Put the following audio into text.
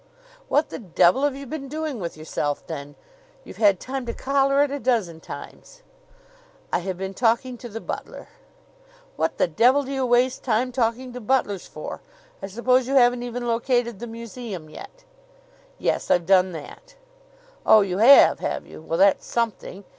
"What the devil have you been doing with yourself then? You've had time to collar it a dozen times." "I have been talking to the butler." "What the devil do you waste time talking to butlers for? I suppose you haven't even located the museum yet?" "Yes; I've done that." "Oh, you have, have you? Well, that's something.